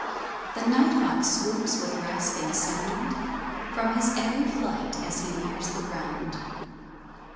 The night hawk swoops with rasping sound, From his airy flight as he nears the ground.